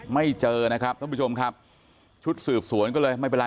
ไม่เจอนะครับท่านผู้ชมครับชุดสืบสวนก็เลยไม่เป็นไร